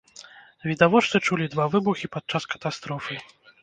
Відавочцы чулі два выбухі падчас катастрофы.